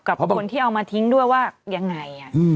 กับคนที่เอามาทิ้งด้วยว่ายังไง